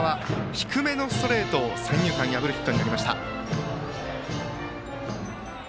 低めのストレートを三遊間破るヒットになりました。